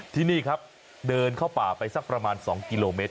ที่นี่ครับเดินเข้าป่าไปสักประมาณ๒กิโลเมตร